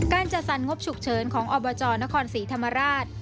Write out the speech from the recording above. จัดสรรงบฉุกเฉินของอบจนครศรีธรรมราช